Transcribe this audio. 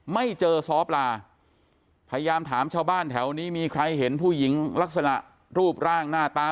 ไม่เจอซ้อปลาพยายามถามชาวบ้านแถวนี้มีใครเห็นผู้หญิงลักษณะรูปร่างหน้าตา